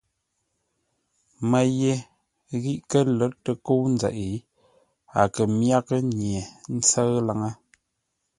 Mə́ ye ghî kə́ lə̌r tə kə́u nzeʼ, a kə̂ myághʼə́ nye ńtsə́ʉ laŋə́.